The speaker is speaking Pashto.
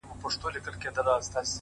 خپل فکرونه په احتیاط وټاکئ،